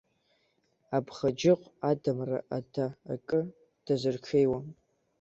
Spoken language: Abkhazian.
Абӷаџьыҟә адамра ада акы дазырҽеиуам!